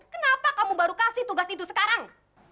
kenapa kamu baru kasih tugas itu sekarang